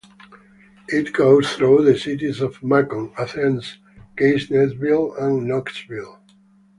It goes through the cities of Macon, Athens, Gainesville, and Knoxville.